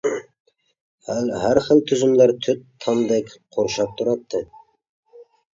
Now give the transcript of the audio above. ھەر خىل تۈزۈملەر تۆت تامدەك قورشاپ تۇراتتى.